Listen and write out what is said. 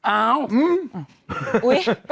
อ้าวอุ๊ย